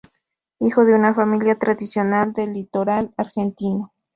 Hijo de una familia tradicional del litoral argentino.